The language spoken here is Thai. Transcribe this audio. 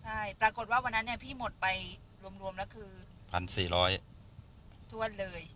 ใช่ปรากฏว่าวันนั้นพี่หมดไปรวมแล้วคือ๑๔๐๐บาททั่วนเลย